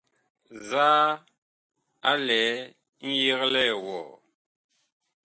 Nzaa a lɛ ŋyeglɛɛ wɔɔ ?